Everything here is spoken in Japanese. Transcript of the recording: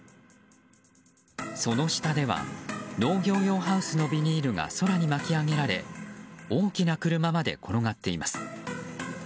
その下では農業用ハウスのビニールが空に巻き上げられ大きな車まで転がっています。